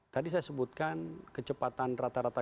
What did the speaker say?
tadi saya sebutkan kecepatan rata rata